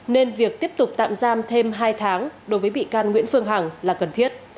nên việc tiếp tục tạm giam thêm hai tháng đối với bị can nguyễn phương hằng là cần thiết